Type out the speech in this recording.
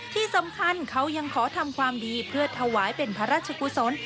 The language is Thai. ที่สำคัญเขายังขอทำความดีเพื่อถวายเป็นพระราชกุศล